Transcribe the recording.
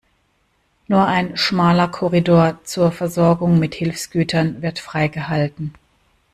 Nur ein schmaler Korridor zur Versorgung mit Hilfsgütern wird freigehalten.